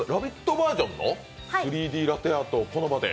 バージョンの３Ｄラッピーラテアートをこの場で？